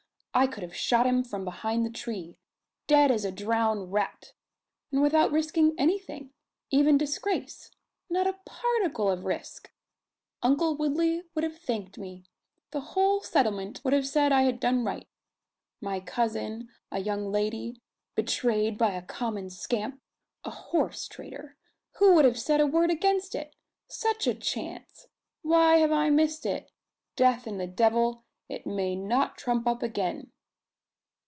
I could have shot him from behind the tree dead as a drowned rat! And without risking anything even disgrace! Not a particle of risk. Uncle Woodley would have thanked me the whole settlement would have said I had done right. My cousin, a young lady, betrayed by a common scamp a horse, trader who would have said a word against it? Such a chance! Why have I missed it? Death and the devil it may not trump up again!"